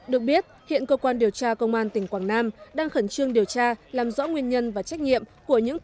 được biết hiện cơ quan điều tra công an tỉnh quảng nam đang khẩn trương điều tra làm rõ nguyên nhân và trách nhiệm của những